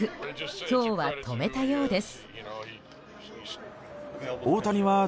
今日は止めたようです。